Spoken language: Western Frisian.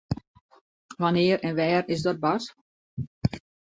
Wannear en wêr is dat bard?